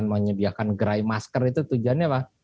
namanya biarkan gerai masker itu tujuannya apa